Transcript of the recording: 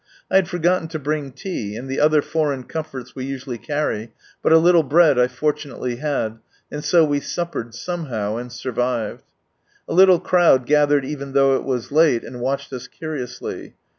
I had forgotten to bring tea, and the other foreign comforts we usually carry, but a little bread I fortunately had, and so we suppered somehow, and survived. A little crowd gathered even though it was late, and watched us curiously.